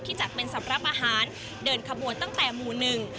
จัดเป็นสำหรับอาหารเดินขบวนตั้งแต่หมู่หนึ่ง